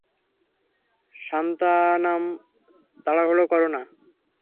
সান্থানাম, তাড়াহুড়া করো না।